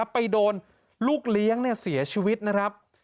ไปโดนลูกเลี้ยงเสียชีวิตนะครับ